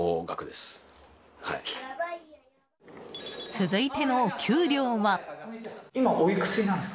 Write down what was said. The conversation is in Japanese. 続いてのお給料は。